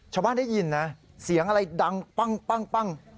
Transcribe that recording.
ชาวบ้านได้ยินนะเสียงอะไรดังปั้ง